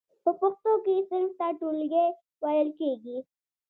په پښتو کې صنف ته ټولګی ویل کیږی.